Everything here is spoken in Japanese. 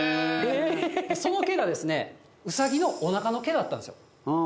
その毛がですね、ウサギのおなかの毛だったんですよ。